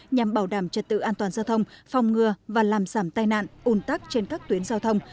nhằm bảo đảm trật tự an toàn giao thông phòng ngừa và làm giảm tai nạn un tắc trên các tuyến giao thông